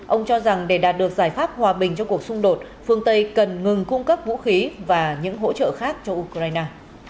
ông cho rằng để đạt được giải pháp hòa bình cho cuộc xung đột phương tây cần ngừng cung cấp vũ khí và những hỗ trợ khác cho ukraine